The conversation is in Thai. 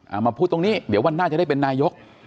เอามาพูดตรงนี้เดี๋ยววันหน้าจะได้เป็นนายก